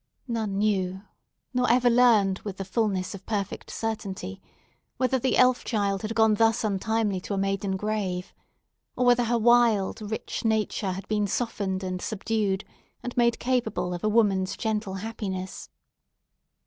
None knew—nor ever learned with the fulness of perfect certainty—whether the elf child had gone thus untimely to a maiden grave; or whether her wild, rich nature had been softened and subdued and made capable of a woman's gentle happiness.